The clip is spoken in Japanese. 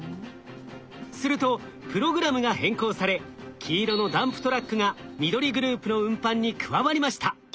するとプログラムが変更され黄色のダンプトラックが緑グループの運搬に加わりました。